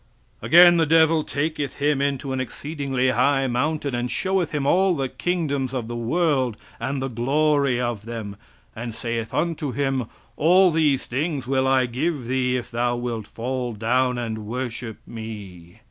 "Again, the devil taketh him into an exceedingly high mountain, and showeth him all the kingdoms of the world, and the glory of them; "And saith unto him, All these things will I give thee, if thou wilt fall down and worship me.